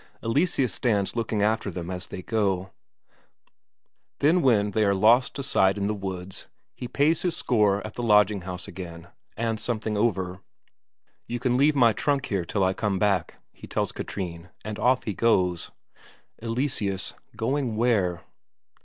Eleseus stands looking after them as they go; then when they are lost to sight in the woods, he pays his score at the lodging house again, and something over. "You can leave my trunk here till I come back," he tells Katrine, and off he goes. Eleseus going where?